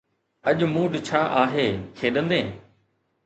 اڄ موڊ ڇا آهي، کيڏندين؟